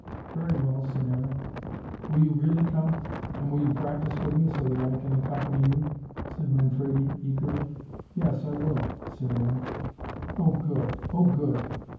"Very well," said Aaron. "Will you really come? And will you practise with me, so that I can accompany you?" said Manfredi eagerly. "Yes. I will," said Aaron. "Oh, good! Oh, good!